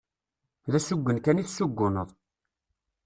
D asugen kan i tessuguneḍ.